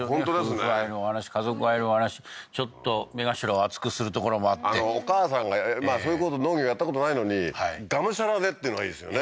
夫婦愛のお話家族愛のお話ちょっと目頭を熱くするところもあってお母さんがそれこそ農業やったことないのにがむしゃらでっていうのがいいですよね